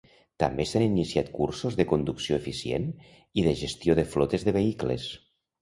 També s'han iniciat cursos de conducció eficient i de gestió de flotes de vehicles.